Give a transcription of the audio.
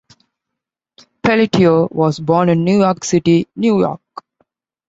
Pelletier was born in New York City, New York.